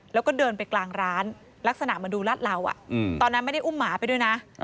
แล้วก็เดินไปกลางร้านลักษณะมาดูรัดเหลาตอนนั้นไม่ได้อุ้มหมาไปด้วยนะ